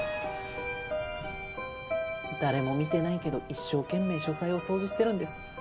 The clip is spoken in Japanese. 誰も見てないけど一生懸命書斎を掃除してるんです。